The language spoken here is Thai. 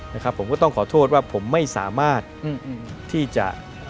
นะครับผมก็ต้องขอโทษว่าผมไม่สามารถที่จะ